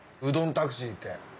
うどんタクシーって。